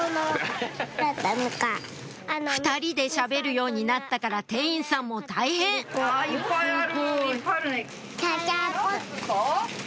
２人でしゃべるようになったから店員さんも大変あいっぱいあるいっぱいあるね。